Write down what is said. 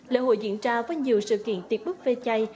lễ hội diễn ra với nhiều sự kiện tiệc bức phê chay